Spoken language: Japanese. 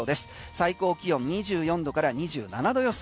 最高気温２４度から２７度予想